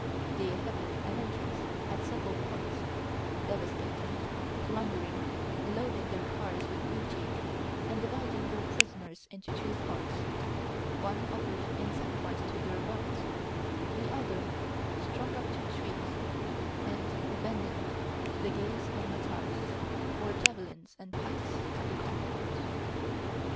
They effected an entrance at several points, devastating, plundering, loading their cars with booty, and dividing their prisoners into two parts; one offered in sacrifice to their gods, the other strung up to trees and abandoned to the gais and matars, or javelins and pikes of the conquerors.